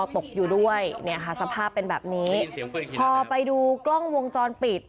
ตกอยู่ด้วยเนี่ยค่ะสภาพเป็นแบบนี้พอไปดูกล้องวงจรปิด